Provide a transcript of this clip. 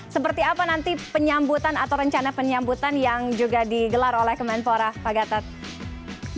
seperti apa nanti penyambutan atau rencana penyambutan yang juga digelar oleh kemenpora pak gatot